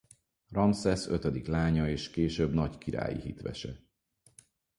Ramszesz ötödik lánya és később nagy királyi hitvese.